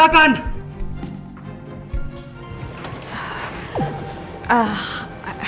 handphonenya mas al gak aktif